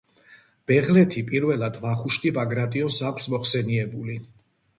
ბეღლეთი პირველად ვახუშტი ბაგრატიონს აქვს მოხსენიებული.